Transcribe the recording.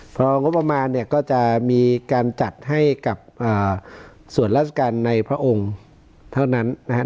พองบประมาณเนี่ยก็จะมีการจัดให้กับส่วนราชการในพระองค์เท่านั้นนะครับ